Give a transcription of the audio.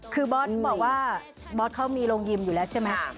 คือบอสบอกว่าบอสเขามีโรงยิมอยู่แล้วใช่ไหม